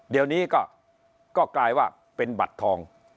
เดี๋ยวนี้ก็กลายว่าเป็นบัตรทอง